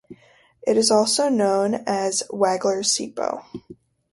It is also known as Wagler's sipo.